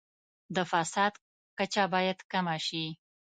د فساد کچه باید کمه شي.